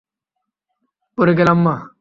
পড়ে গেলাম মা।